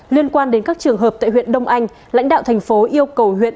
liên quan đến các trường hợp tại huyện đông anh lãnh đạo thành phố yêu cầu huyện